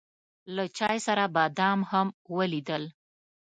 له چای سره بادام هم وليدل.